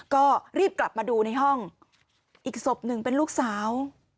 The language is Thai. ก็รีบกลับมาดูในห้องอีกศพหนึ่งเป็นลูกสาว